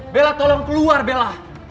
bella tolong keluar bella